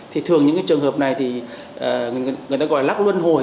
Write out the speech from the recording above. thì thường những trường hợp này thì người ta gọi là lắc luân hồi